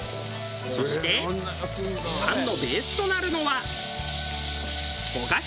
そして餡のベースとなるのは。